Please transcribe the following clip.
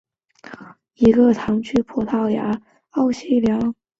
奥西良博阿镇是葡萄牙布拉干萨区的一个堂区。